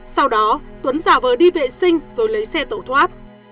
sau đó tuấn giả vờ đi vệ sinh rồi lấy xe tẩu thoát